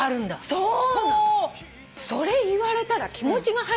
そう。